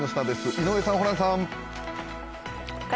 井上さん、ホランさん。